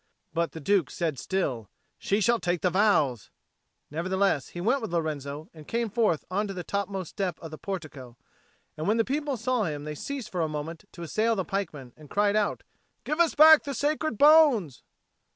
But the Duke said still, "She shall take the vows!" Nevertheless he went with Lorenzo, and came forth on to the topmost step of the portico. And when the people saw him they ceased for a moment to assail the pikemen, and cried out, "Give us back the sacred bones!"